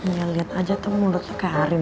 ya liat aja tuh mulut lo kayak arin